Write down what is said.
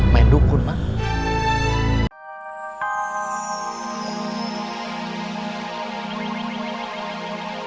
main dukun mak